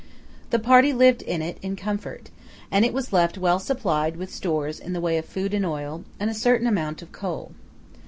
The party lived in it in comfort, and it was left well supplied with stores in the way of food and oil, and a certain amount of coal.